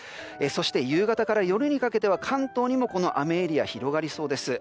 そして、夕方から夜にかけては関東にも雨エリアが広がりそうです。